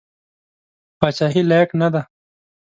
پاچهي لایق نه دی.